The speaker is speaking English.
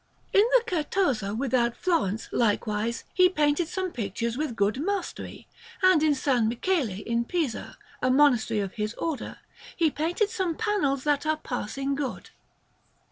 In the Certosa without Florence, likewise, he painted some pictures with good mastery; and in S. Michele in Pisa, a monastery of his Order, he painted some panels that are passing good.